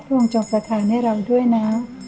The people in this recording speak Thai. องค์จงประธานให้เราด้วยนะ